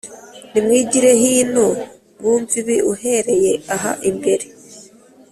Nimwigire hino mwumve ibi uhereye aha imbere